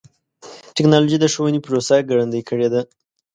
ټکنالوجي د ښوونې پروسه ګړندۍ کړې ده.